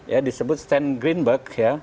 ya disebut stand greenberg ya